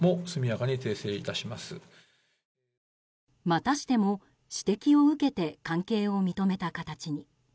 またしても、指摘を受けて関係を認めた形に。